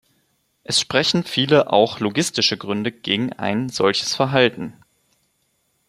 Es sprechen viele auch logistische Gründe gegen ein solches Verhalten.